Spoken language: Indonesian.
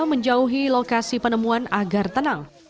menjauhi lokasi penemuan agar tenang